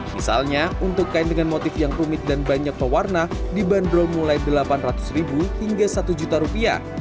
misalnya untuk kain dengan motif yang rumit dan banyak pewarna dibanderol mulai delapan ratus ribu hingga satu juta rupiah